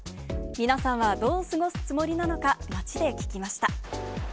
皆さんはどう過ごすつもりなのか、街で聞きました。